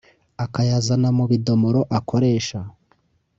akayazana mu bidomoro akoresha